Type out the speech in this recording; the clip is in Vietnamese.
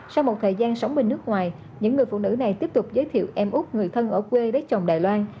sau một thời gian sống bên nước ngoài những người phụ nữ này tiếp tục giới thiệu em úc người thân ở quê đá chồng đài loan